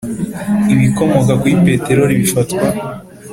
ibikomoka kuri peteroli bifatwa